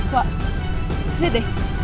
wah liat deh